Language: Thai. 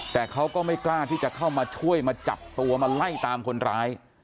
แต่เขาก็ไม่กล้าที่จะเข้ามาช่วยมาจับตัวมาไล่ตามคนร้าย